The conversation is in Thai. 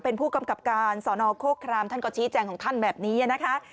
เป็นผู้กำกับการสอนอโคครามท่านก็ชี้แจงของท่านแบบนี้นะคะ